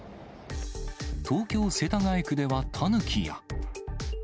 東京・世田谷区ではタヌキや。